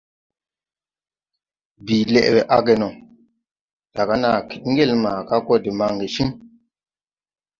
Bìi lɛʼ wɛ age no, daga nàa kid ŋgel maaga gɔ de maŋge ciŋ.